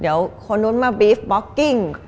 เดี๋ยวคนนู้นมาบีฟบล็อกกิ้ง